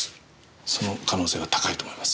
その可能性は高いと思います。